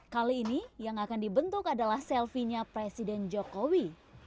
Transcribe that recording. kali ini yang akan dibentuk adalah selfie nya presiden jokowi